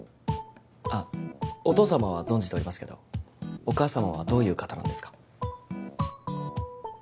あっお父様は存じておりますけどお母様はどういう方なんですか？